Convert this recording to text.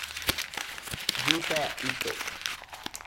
Yuta Ito